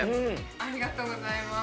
ありがとうございます。